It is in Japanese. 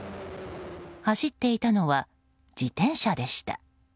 走っていたのは自転車でした。